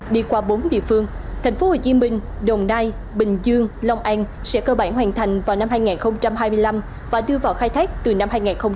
đi qua bốn địa phương tp hcm đồng nai bình dương long an sẽ cơ bản hoàn thành vào năm hai nghìn hai mươi năm và đưa vào khai thác từ năm hai nghìn hai mươi hai